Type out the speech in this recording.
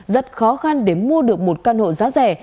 rất khó khăn để mua được một căn hộ giá rẻ